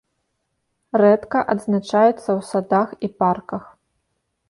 Рэдка адзначаецца ў садах і парках.